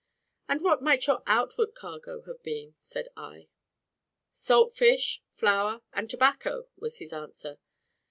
"And what might your outward cargo have been?" said I. "Salt fish, flour, and tobacco," was his answer.